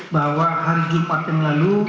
bahwa hari jumat yang lalu